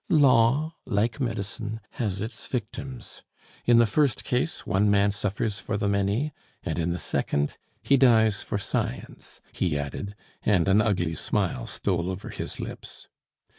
Law, like medicine, has its victims. In the first case, one man suffers for the many, and in the second, he dies for science," he added, and an ugly smile stole over his lips.